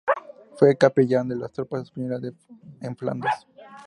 Fue capellán de las tropas españolas en Flandes.